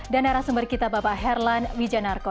dan era sumber kita bapak herlan wijanarko